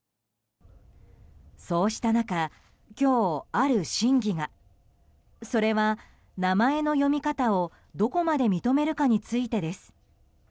そうした中、今日ある審議が。それは名前の読み方をどこまで認めるかについてです。